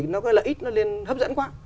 nó có lợi ích nó lên hấp dẫn quá